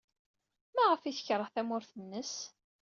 Maɣef ay tekṛeh tamurt-nnes?